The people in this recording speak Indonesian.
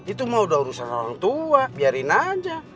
itu mau udah urusan orang tua biarin aja